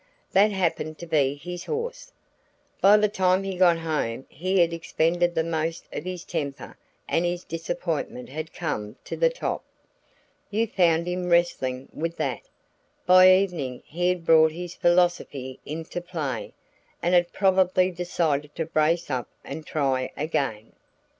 That happened to be his horse. By the time he got home he had expended the most of his temper and his disappointment had come to the top. You found him wrestling with that. By evening he had brought his philosophy into play, and had probably decided to brace up and try again.